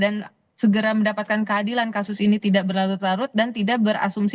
dan segera mendapatkan keadilan kasus ini tidak berlarut larut dan tidak berasumsi